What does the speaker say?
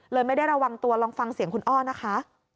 ไม่ได้ระวังตัวลองฟังเสียงคุณอ้อนะคะ